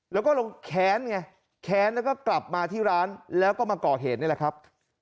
แล้วก็ลงแค้นไงแค้นแล้วก็กลับมาที่ร้านแล้วก็มาก่อเหตุนี่แหละครับ